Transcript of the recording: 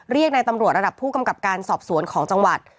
ในตำรวจระดับผู้กำกับการสอบสวนของจังหวัด